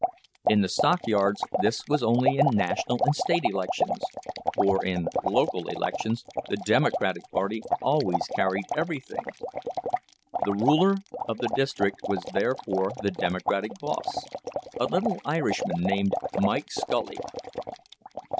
In the stockyards this was only in national and state elections, for in local elections the Democratic Party always carried everything. The ruler of the district was therefore the Democratic boss, a little Irishman named Mike Scully.